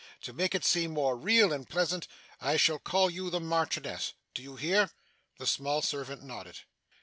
To make it seem more real and pleasant, I shall call you the Marchioness, do you hear?' The small servant nodded.